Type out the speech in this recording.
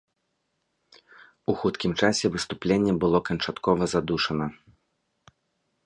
У хуткім часе выступленне было канчаткова задушана.